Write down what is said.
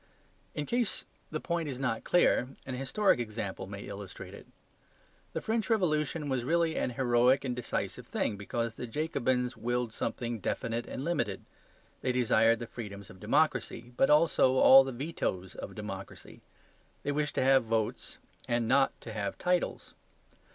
In case the point is not clear, an historic example may illustrate it. The French Revolution was really an heroic and decisive thing, because the Jacobins willed something definite and limited. They desired the freedoms of democracy, but also all the vetoes of democracy. They wished to have votes and NOT to have titles.